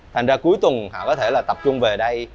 thành ra cuối tuần họ có thể là tập trung về đây